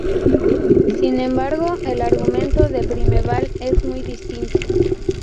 Sin embargo, el argumento de Primeval es muy distinto.